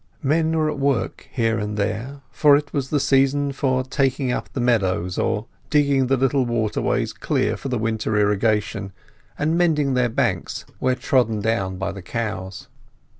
Men were at work here and there—for it was the season for "taking up" the meadows, or digging the little waterways clear for the winter irrigation, and mending their banks where trodden down by the cows.